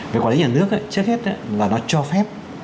về quản lý nhà nước trước hết là nó cho phép